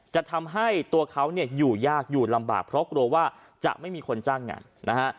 จะทำให้ตัวเขาเนี่ยอยู่ยากอยู่ลำบากเพราะกลัวว่าจะไม่มีคนจ้างงานนะฮะ